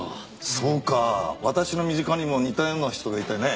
そうか私の身近にも似たような人がいてね。